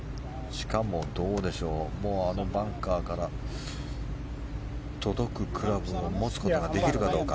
しかも、どうでしょうあのバンカーから届くクラブを持つことができるかどうか。